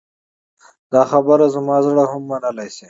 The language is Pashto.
دا خبره زما زړه هم منلی شي.